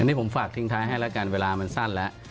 อันนี้ผมฝากทิ้งท้ายให้แล้วกันเวลามันสั้นแล้ว